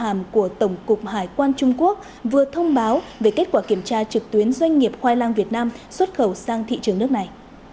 hàm của tổng cục hải quan trung quốc vừa thông báo về kết quả kiểm tra trực tuyến doanh nghiệp khoai lang việt nam xuất khẩu sang thị trường nước này